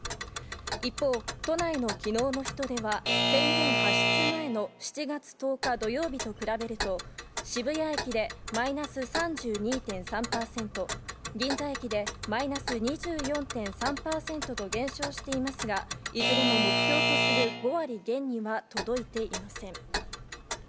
一方、都内のきのうの人出は宣言発出前の７月１０日土曜日と比べると、渋谷駅でマイナス３２．３％、銀座駅でマイナス２４．３％と減少していますが、いずれも目標とする５割減には届いていません。